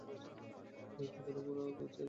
তখন তারা আমাকে ছেড়ে দিল।